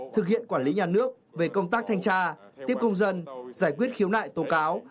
thực hiện quản lý nhà nước về công tác thanh tra tiếp công dân giải quyết khiếu nại tố cáo